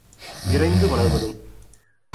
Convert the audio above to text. விரைந்து வளர்வதும்